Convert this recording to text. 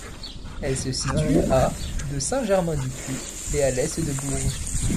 Elle se situe à de Saint-Germain-du-Puy et à à l’est de Bourges.